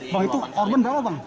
bang itu korban berapa bang